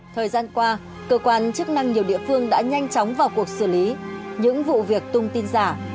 thời gian qua cơ quan chức năng nhiều địa phương đã nhanh chóng vào cuộc xử lý những vụ việc tung tin giả